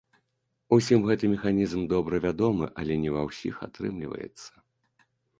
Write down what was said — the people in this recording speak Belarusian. Усім гэты механізм добра вядомы, але не ва ўсіх атрымліваецца.